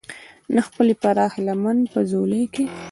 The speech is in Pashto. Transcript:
د خپلې پراخې لمن په ځولۍ کې.